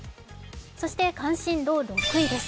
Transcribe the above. そして関心度６位です。